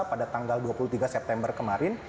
pada tanggal dua puluh tiga september kemarin